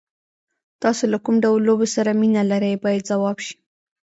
تاسو له کوم ډول لوبو سره مینه لرئ باید ځواب شي.